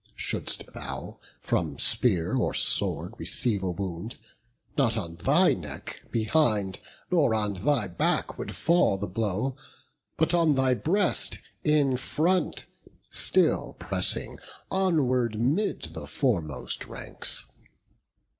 Shouldst thou from spear or sword receive a wound, Not on thy neck behind, nor on thy back Would fall the blow, but on thy breast, in front, Still pressing onward 'mid the foremost ranks.